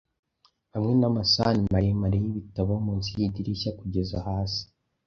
hamwe n'amasahani maremare y'ibitabo munsi y'idirishya kugeza hasi.